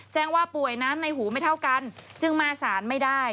แจ้งว่าป่วยน้ำในหูไม่เท่ากันจึงมาสารไม่ได้